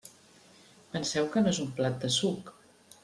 Penseu que no és un plat de suc.